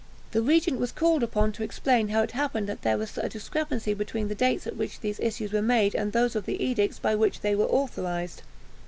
The regent was called upon to explain how it happened that there was a discrepancy between the dates at which these issues were made and those of the edicts by which they were authorised.